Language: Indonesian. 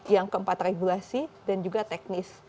yang keempat regulasi dan juga teknis